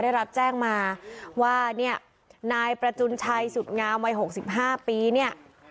ได้รับแจ้งมาว่าเนี่ยนายประจุนชัยสุดงามวัย๖๕ปีเนี่ย